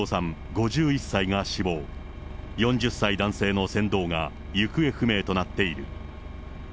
５１歳が死亡、４０歳男性の船頭が行方不明となっている。